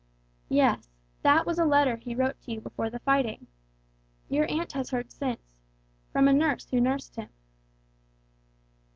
"Yes, that was a letter he wrote to you before the fighting. Your aunt has heard since from a nurse who nursed him."